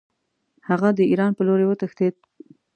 هغه د ایران په لوري وتښتېد.